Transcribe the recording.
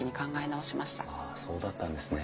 あそうだったんですね。